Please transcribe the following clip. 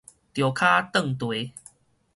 趒跤頓蹄